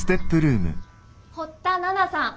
堀田奈々さん